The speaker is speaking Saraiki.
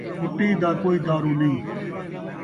کُھٹی دا کئی دارو نئیں